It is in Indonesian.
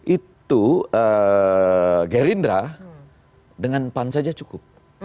itu gerindra dengan pan saja cukup